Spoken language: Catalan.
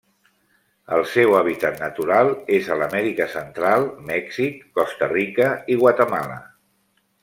El seu hàbitat natural és a l'Amèrica Central, Mèxic, Costa Rica i Guatemala.